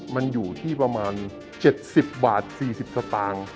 มันอยู่ที่ประมาณ๗๐บาท๔๐สตางค์